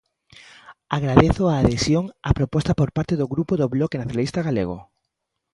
Agradezo a adhesión á proposta por parte do Grupo do Bloque Nacionalista Galego.